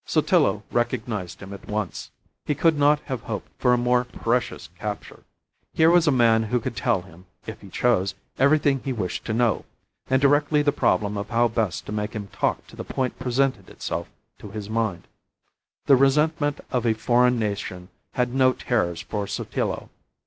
Sotillo recognized him at once. He could not have hoped for a more precious capture; here was a man who could tell him, if he chose, everything he wished to know and directly the problem of how best to make him talk to the point presented itself to his mind. The resentment of a foreign nation had no terrors for Sotillo.